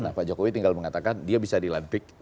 nah pak jokowi tinggal mengatakan dia bisa dilantik